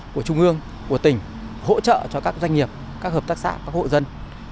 của trung ương của tỉnh hỗ trợ cho các doanh nghiệp các hợp tác xã các hộ dân